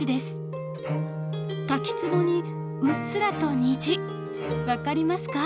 滝つぼにうっすらと虹分かりますか？